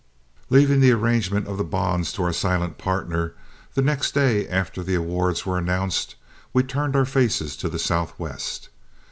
Leaving the arrangement of the bonds to our silent partner, the next day after the awards were announced we turned our faces to the Southwest.